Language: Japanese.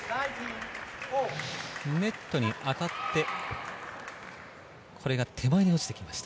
ネットに当たって手前に落ちてきました。